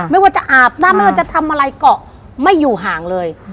ไม่ว่าจะอาบน้ำไม่ว่าจะทำอะไรเกาะไม่อยู่ห่างเลย